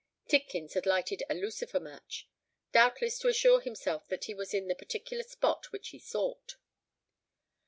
Tidkins had lighted a lucifer match—doubtless to assure himself that he was in the particular spot which he sought.